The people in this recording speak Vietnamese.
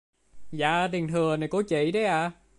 dạ tiền thừa của chị đấy ạ